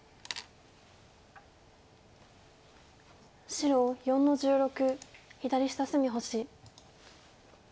白４の十六左下隅星。